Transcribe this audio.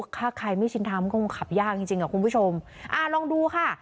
ถ้าใครไม่ชินทำก็คงขับยากจริงจริงอ่ะคุณผู้ชมอ่าลองดูค่ะ